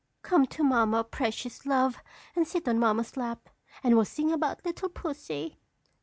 Come to mamma, precious love, and sit on mamma's lap, and we'll sing about little pussy.